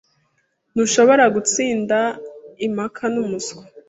Ntushobora gutsinda impaka numuswa.